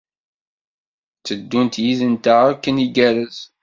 Tteddunt yid-nteɣ akken igerrez.